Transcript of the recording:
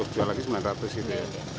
jual lagi sembilan ratus gitu ya